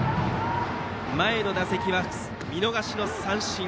前の打席は見逃し三振。